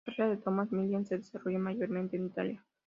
La carrera de Tomás Milian se desarrolló mayormente en Italia.